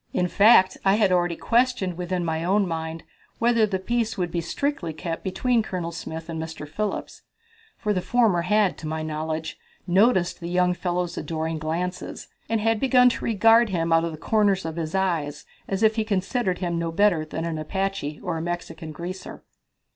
In fact, I had already questioned within my own mind whether the peace would be strictly kept between Colonel Smith and Mr. Phillips, for the former had, to my knowledge, noticed the young fellow's adoring glances, and had begun to regard him out of the corners of his eyes as if he considered him no better than an Apache or a Mexican greaser.